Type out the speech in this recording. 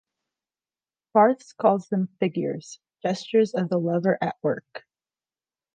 Barthes calls them "figures"-gestures of the lover at work.